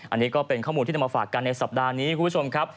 อันนี้ก็เป็นข้อมูลที่นำมาฝากกันในสัปดาห์นี้คุณผู้ชมครับ